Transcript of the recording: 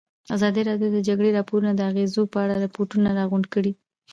ازادي راډیو د د جګړې راپورونه د اغېزو په اړه ریپوټونه راغونډ کړي.